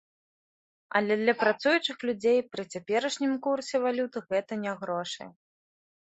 Але для працуючых людзей пры цяперашнім курсе валют гэта не грошы.